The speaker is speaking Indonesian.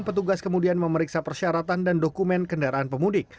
petugas kemudian memeriksa persyaratan dan dokumen kendaraan pemudik